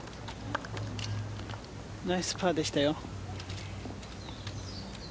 ナイスパーでしたよ。